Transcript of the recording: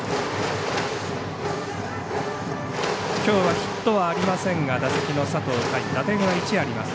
きょうはヒットはありませんが打席の佐藤海、打点は１あります。